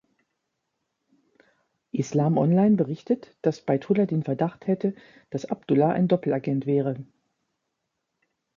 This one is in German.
„Islam Online“ berichtet, dass Baitullah den Verdacht hätte, dass Abdullah ein Doppelagent wäre.